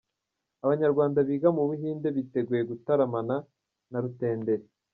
Abanyarwanda biga mu Buhinde biteguye gutaramana na Rutenderi